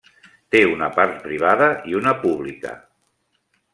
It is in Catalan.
Té una part privada i una pública.